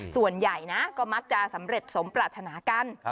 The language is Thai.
ส่วนใหญ่นะก็มักจะสำเร็จสมปรารถนากัน